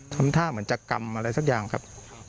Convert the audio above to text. ทำท่าเหมือนจะกำอะไรสักอย่างครับ